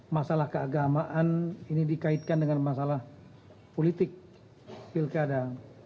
masalah keagamaan ini dikaitkan dengan masalah politik pilkada